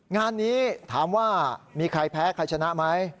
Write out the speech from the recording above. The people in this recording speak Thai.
งานนี้ถามว่ามีใครแพ้ใครชนะไหม